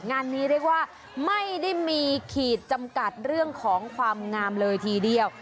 งานนี้เรียกว่าไม่ได้มีขีดจำกัดเรื่องของความงามเลยทีเดียว